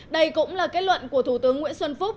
đây cũng là kết luận của thủ tướng nguyễn xuân phúc